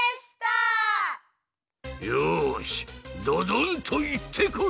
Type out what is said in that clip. よしドドンといってこい！